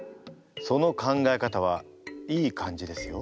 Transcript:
その考え方はいい感じですよ。